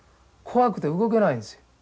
怖くて動けないんですよ。